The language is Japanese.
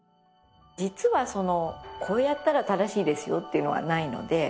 実はそのこうやったら正しいですよっていうのはないので。